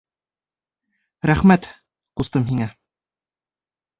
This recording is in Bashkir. — Рәхмәт, ҡустым, һиңә.